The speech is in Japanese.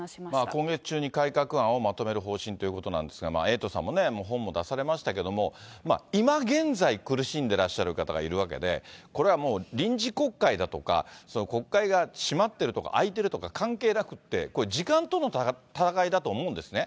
今月中に改革案をまとめる方針ということなんですが、エイトさんもね、本も出されましたけれども、今現在、苦しんでらっしゃる方がいるわけで、これはもう臨時国会だとか、国会が閉まってるとか、開いてるとか関係なくって、時間との戦いだと思うんですね。